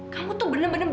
kamu tuh bener bener begit